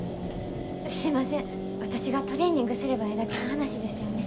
すいません私がトレーニングすればええだけの話ですよね。